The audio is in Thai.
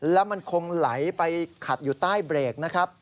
แล้วมันคงไหลไปขัดอยู่ใต้เบรกนะครับ